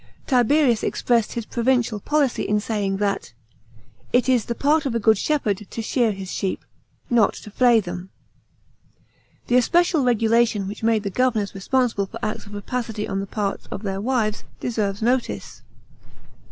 Tiberius expressed his provincial policy in saying that " it is the part of a good shepherd to shear his sheep, not to flay them.'* The special regulation which made the governors responsible for acts of rapaoity on the part of their wives, deserves notice.